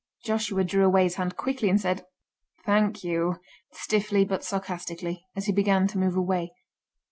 Joshua drew away his hand quickly, and said, "Thank you!" stiffly but sarcastically, as he began to move away.